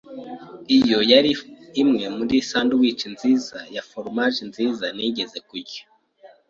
Iyo yari imwe muri sandwiches nziza ya foromaje nziza nigeze kurya.